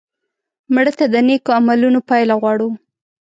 مړه ته د نیک عملونو پایله غواړو